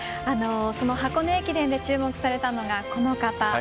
箱根駅伝で注目されたのがこの方。